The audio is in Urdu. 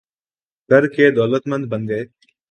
کر کے دولتمند بن گئے